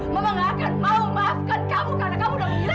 mama tidak akan maafkan kamu karena kamu sudah gila